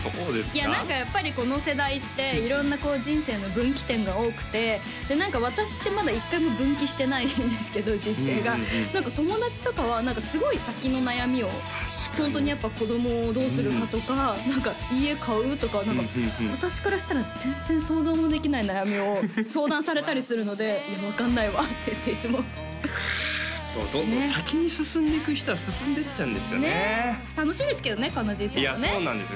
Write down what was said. いや何かやっぱりこの世代って色んな人生の分岐点が多くて私ってまだ一回も分岐してないんですけど人生が友達とかはすごい先の悩みをホントにやっぱ子供をどうするかとか何か家買う？とか私からしたら全然想像もできない悩みを相談されたりするので「分かんないわ」って言っていつもそのどんどん先に進んでいく人は進んでいっちゃうんですよねねえ楽しいですけどねこんな人生もねいやそうなんですよ